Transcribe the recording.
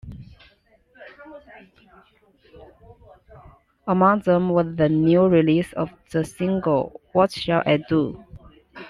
Among them was the new release of the single "What Shall I Do?".